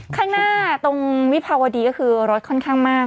ข้างหน้าตรงวิภาวดีก็คือรถค่อนข้างมาก